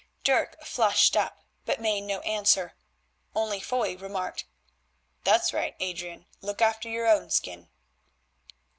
Dirk flushed up, but made no answer, only Foy remarked: "That's right, Adrian, look after your own skin."